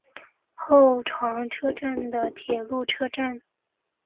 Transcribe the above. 厚床车站的铁路车站。